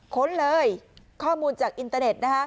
ค้นเลยข้อมูลจากอินเตอร์เน็ตนะคะ